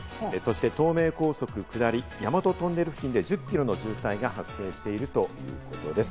そして東名高速下り・大和トンネル付近で、１０キロの渋滞が発生しているということです。